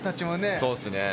そうですね。